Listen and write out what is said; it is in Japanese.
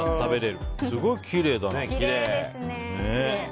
すごいきれいだな。